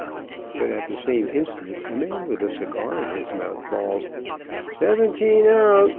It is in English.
But at the same instant a man with a cigar in his mouth bawls, "Seventeen out!"